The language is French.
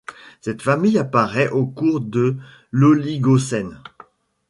Cette famille apparait au cours de l'Oligocène.